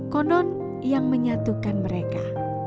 kondon yang menyatukan mereka